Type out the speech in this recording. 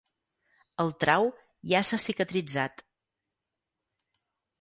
El trau ja s'ha cicatritzat.